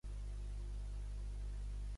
Ara són a la conferència Greater Western Ohio.